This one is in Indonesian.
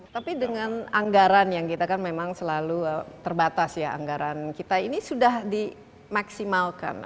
tapi dengan anggaran yang kita kan memang selalu terbatas ya anggaran kita ini sudah dimaksimalkan